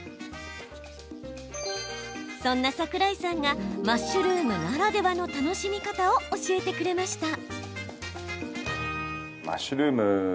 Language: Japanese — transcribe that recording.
そんな桜井さんがマッシュルームならではの楽しみ方を教えてくれました。